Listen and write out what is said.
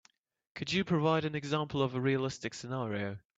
Could you provide an example of a realistic scenario?